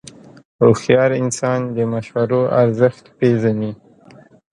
هوښیار انسان د مشورو ارزښت پېژني.